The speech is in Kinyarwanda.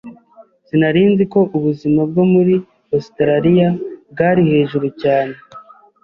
Sinari nzi ko ubuzima bwo muri Ositaraliya bwari hejuru cyane.